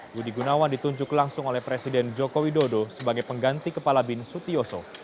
budi gunawan ditunjuk langsung oleh presiden joko widodo sebagai pengganti kepala bin sutioso